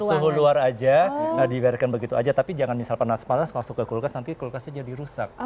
suhu luar aja dibereskan begitu aja tapi jangan misal panas panas masuk ke kulkas nanti kulkasnya jadi rusak